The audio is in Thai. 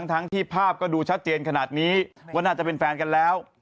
ทั้งที่ภาพก็ดูชัดเจนขนาดนี้ว่าน่าจะเป็นแฟนกันแล้ว